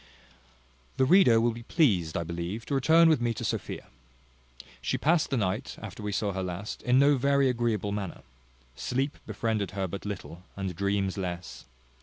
The reader will be pleased, I believe, to return with me to Sophia. She passed the night, after we saw her last, in no very agreeable manner. Sleep befriended her but little, and dreams less.